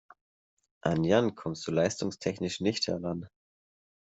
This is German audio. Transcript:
An Jan kommst du leistungstechnisch nicht heran.